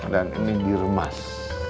dan ini diremas